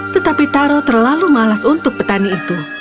tetapi taro terlalu malas untuk petani itu